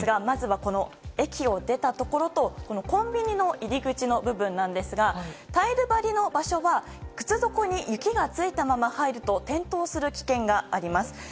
まずは駅を出たところとコンビニの入り口の部分なんですがタイル張りの場所は靴底に雪がついたまま入ると転倒する危険があります。